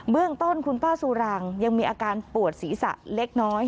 เรื่องต้นคุณป้าสุรังยังมีอาการปวดศีรษะเล็กน้อย